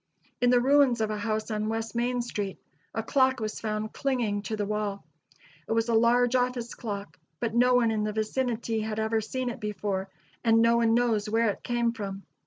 In the ruins of a house on West Main street a clock was found clinging to the wall. It was a large [Illustration: ON NINTH STREET, LOUISVILLE.] office clock, but no one in the vicinity had ever seen it before, and no one knows where it came from.